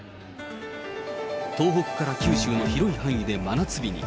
東北から九州の広い範囲で真夏日に。